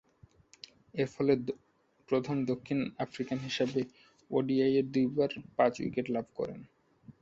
এরফলে প্রথম দক্ষিণ আফ্রিকান হিসেবে ওডিআইয়ে দুইবার পাঁচ উইকেট লাভ করেন।